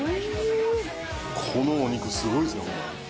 このお肉すごいっすねホンマ